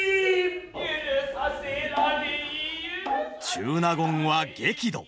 中納言は激怒！